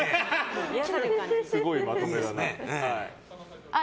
すごいまとめ方。